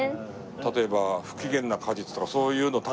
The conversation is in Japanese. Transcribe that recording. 例えば『不機嫌な果実』とかそういうのたくさん。